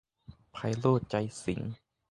ไพโรจน์ ใจสิงห์